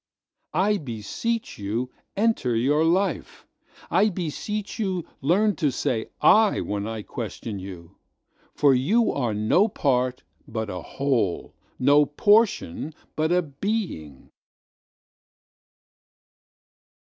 I beseech you enter your life.I beseech you learn to say "I"When I question you:For you are no part, but a whole; No portion, but a being.